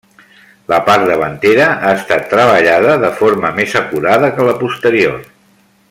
La part davantera ha estat treballada de forma més acurada que la posterior.